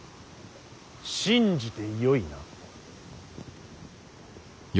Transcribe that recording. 信じてよいな。